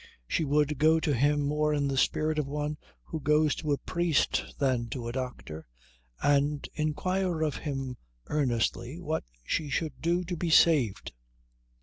She would go to him more in the spirit of one who goes to a priest than to a doctor, and inquire of him earnestly what she should do to be saved.